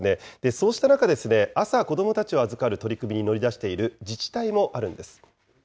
そうした中で、朝、子どもたちを預かる取り組みに乗り出している自治体もあるんです。